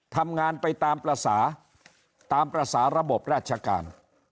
ทำงานไปตามประสาทับประสาระบบราชการ